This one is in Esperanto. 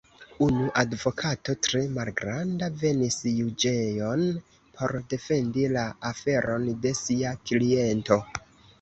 Unu advokato, tre malgranda, venis juĝejon, por defendi la aferon de sia kliento.